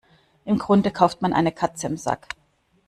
Im Grunde kauft man eine Katze im Sack.